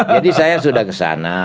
jadi saya sudah kesana